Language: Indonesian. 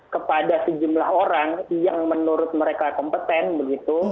kepada sejumlah orang yang menurut mereka kompeten begitu